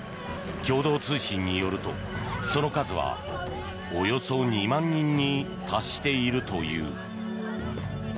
共同通信によるとその数はおよそ２万人に達しているという。